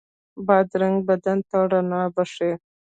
بادرنګ بدن ته رڼا بښي.